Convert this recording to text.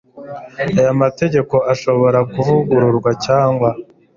Aya mategeko ashobora kuvugururwa cyangwa